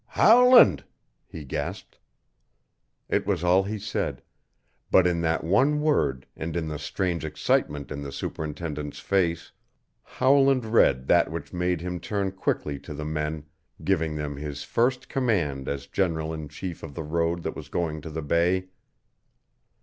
"Howland!" he gasped. It was all he said, but in that one word and in the strange excitement in the superintendent's face Howland read that which made him turn quickly to the men, giving them his first command as general in chief of the road that was going to the bay.